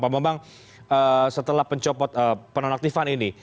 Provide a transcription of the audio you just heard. pak membang setelah penonaktifan ini